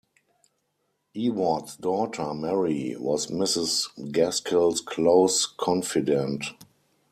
Ewart's daughter, Mary, was Mrs Gaskell's close confidante.